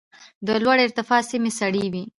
د لوړې ارتفاع سیمې سړې وي.